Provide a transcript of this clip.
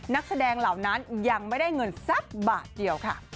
นักแสดงเหล่านั้นยังไม่ได้เงินสักบาทเดียวค่ะ